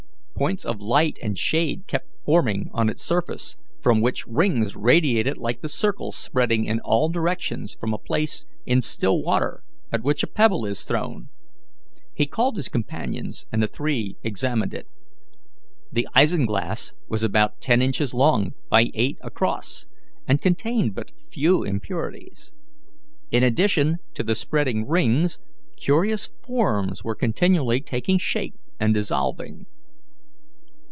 Points of light and shade kept forming on its surface, from which rings radiated like the circles spreading in all directions from a place in still water at which a pebble is thrown. He called his companions, and the three examined it. The isinglass was about ten inches long by eight across, and contained but few impurities. In addition to the spreading rings, curious forms were continually taking shape and dissolving.